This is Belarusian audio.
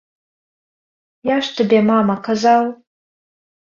Я ж табе, мама, казаў!